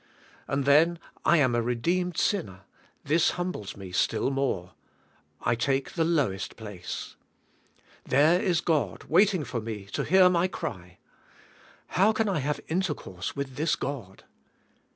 And then I am a redeemed sinner; this humbles me still more. I take the lowest place. There is God waiting for me to hear my cry. How can I have intercourse with this God